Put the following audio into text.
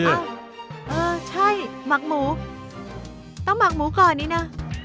เอ้าเออใช่หมักหมูต้องหมักหมูก่อนนี้นะ